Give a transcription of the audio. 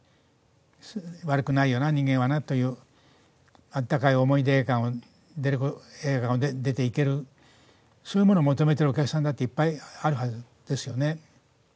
悪くないよな、人間はなというあったかい思いで映画館を出ていけるそういうものを求めてるお客さんだっていっぱい、あるはずですよね。